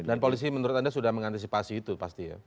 dan polisi menurut anda sudah mengantisipasi itu pasti ya